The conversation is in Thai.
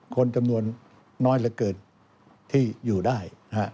คนจำนวนน้อยเหลือเกินที่อยู่ได้